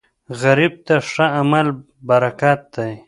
غریب ته ښه عمل برکت دی